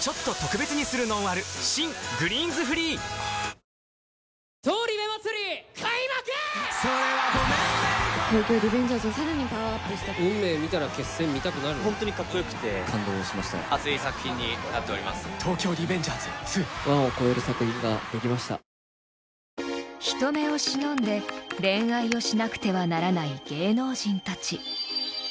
新「グリーンズフリー」［人目を忍んで恋愛をしなくてはならない芸能人たち］